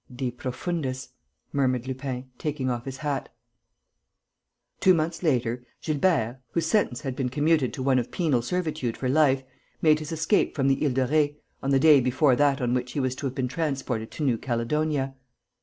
"De profundis!" murmured Lupin, taking off his hat. Two months later, Gilbert, whose sentence had been commuted to one of penal servitude for life, made his escape from the Île de Ré, on the day before that on which he was to have been transported to New Caledonia.